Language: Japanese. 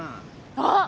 あっ！